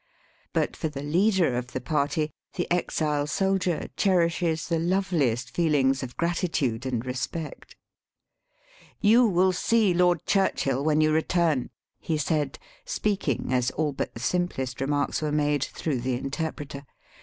But for the leader of the party the exile soldier Digitized by VjOOQIC THE PRISONER OP CEYLON. 167 cherishes the loveliest feelings of gratitude and respect. *' You will see Lord Churchill when you return!'' he said, speaking, as all but the simplest remarks were made, through the in terpreter.